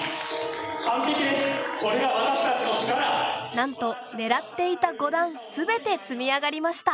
なんと狙っていた５段全て積み上がりました！